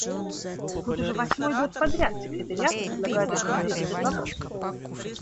Вот уже восьмой год подряд Секретариату предлагают рассмотреть этот вопрос.